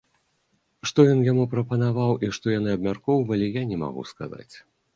Што ён яму прапанаваў і што яны абмяркоўвалі, я не магу сказаць.